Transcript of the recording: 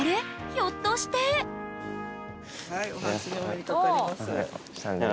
ひょっとしてはいお初にお目にかかります。